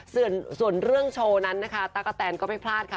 ส่วนเรื่องโชว์นั้นนะคะตะกะแตนก็ไม่พลาดค่ะ